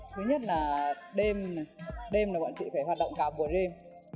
thứ nhất là đêm là bọn chị phải hoạt động cả buổi đêm